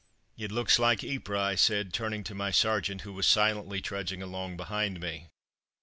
"It looks like Ypres," I said, turning to my sergeant, who was silently trudging along behind me.